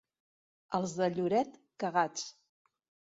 Els de Lloret, cagats.